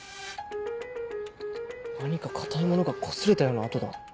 何か硬いものが擦れたような跡だ。